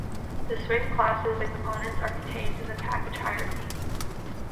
The Swing classes and components are contained in the package hierarchy.